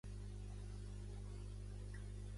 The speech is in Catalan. Zoraida Burgos és una artista nascuda a Tortosa.